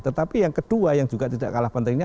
tetapi yang kedua yang juga tidak kalah pentingnya